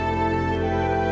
apus hapus fotonya